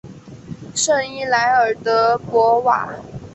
圣伊莱尔德博瓦。